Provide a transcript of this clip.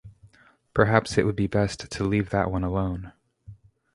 Perhaps it would be best to leave that one alone.